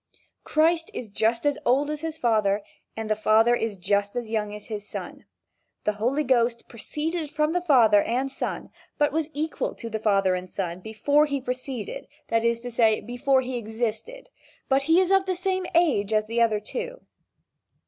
Christ is just as old as his father, and the father is just as young as his son. The Holy Ghost proceeded from the Father and Son, but was equal to the Father and Son before he proceeded, that is to say, before he existed, but he is of the same age of the other two.